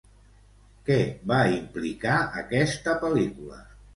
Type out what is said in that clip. Què va implicar aquesta pel·lícula?